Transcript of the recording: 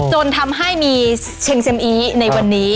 จนทำให้มีเชงเซ็มอีในวันนี้